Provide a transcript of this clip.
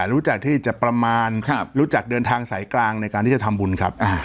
รู้จักที่จะประมาณรู้จักเดินทางสายกลางในการที่จะทำบุญครับ